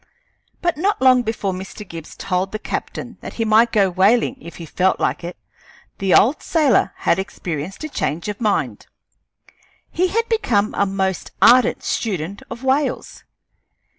But not long before Mr. Gibbs told the captain that he might go whaling if he felt like it, the old sailor had experienced a change of mind. He had become a most ardent student of whales.